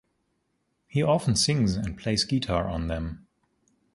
He often sings and plays guitar on them.